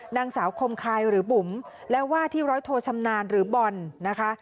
นางสาวคมคายหรือบุ๋มและว่าที่ร้อยโทชำนาญหรือบอลนะคะ